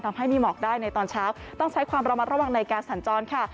ทำให้มีหมอกได้ในตอนเช้าต้องใช้ความระมัดระวังในการสัญจรค่ะ